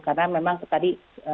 karena memang tadi